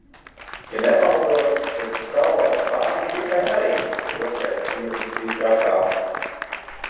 Ja nemaldos, tad savulaik spāņu gripai arī tas otrais vilnis bija trakāks.